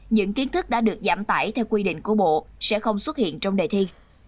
những kiến thức đã được giảm tải theo quy định của bộ sẽ không xuất hiện trong đề thi